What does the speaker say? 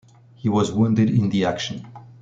He was wounded in the action.